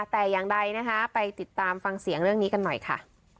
แต่อย่างใดนะคะไปติดตามฟังเสียงเรื่องนี้กันหน่อยค่ะ